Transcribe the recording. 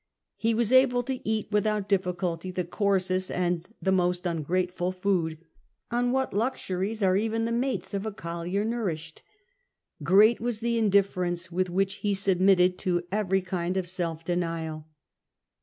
He was able to eat without difficulty the coarsest and the most ungrateful food — on what luxuries are even the mates of a collier nourished ?" Great was the indiffer ence with which he submitted to every kind of self denial."